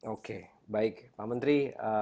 oke baik pak menteri